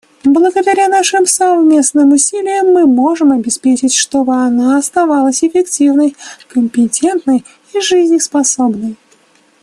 Благодаря нашим совместным усилиям мы можем обеспечить, чтобы она оставалась эффективной, компетентной и жизнеспособной.